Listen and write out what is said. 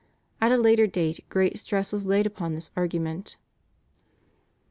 At a later date great stress was laid upon this argument.